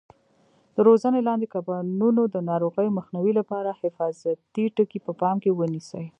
د روزنې لاندې کبانو د ناروغیو مخنیوي لپاره حفاظتي ټکي په پام کې ونیسئ.